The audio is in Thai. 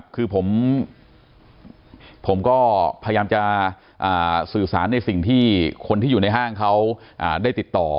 คือผมก็พยายามจะสื่อสารในสิ่งที่คนที่อยู่ในห้างเขาได้ติดต่อ